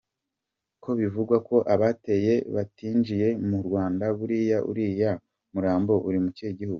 Ko bivugwa ko abateye batinjiye mu Rwanda buriya uriya murambo uri mu kihe gihugu?